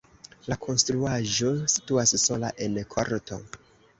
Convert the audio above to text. La konstruaĵo situas sola en korto.